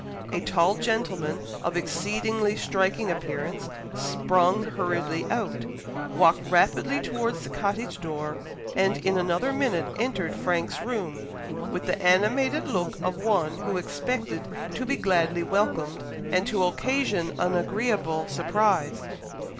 A tall gentleman, of exceedingly striking appearance, sprung hurriedly out, walked rapidly towards the cottage door, and in another minute entered Frank's room, with the animated look of one who expected to be gladly welcomed, and to occasion an agreeable surprise.